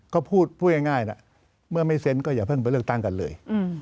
ก็พูดง่ายนะเมื่อไม่เซ็นก็อย่าเพิ่งไปเลือกตั้งกันเลย